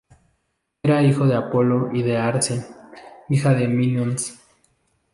Era hijo de Apolo y de Arce, hija de Minos.